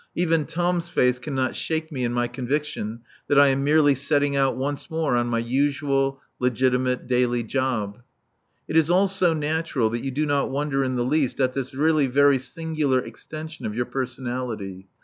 Even Tom's face cannot shake me in my conviction that I am merely setting out once more on my usual, legitimate, daily job. It is all so natural that you do not wonder in the least at this really very singular extension of your personality.